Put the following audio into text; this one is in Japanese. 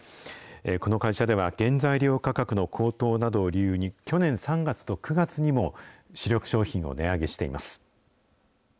この会社では、原材料価格の高騰などを理由に、去年３月と９月にも主力商品を値上げしています。